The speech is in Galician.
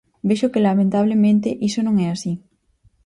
Vexo que lamentablemente iso non é así.